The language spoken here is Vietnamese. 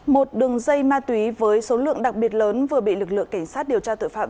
một đường dây ma túy với số lượng đặc biệt lớn vừa bị lực lượng cảnh sát điều tra tội phạm